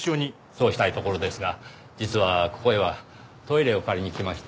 そうしたいところですが実はここへはトイレを借りに来まして。